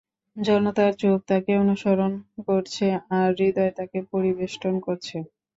জনতার চোখ তাকে অনুসরণ করছে আর হৃদয় তাকে পরিবেষ্টন করছে।